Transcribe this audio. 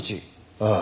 ああ。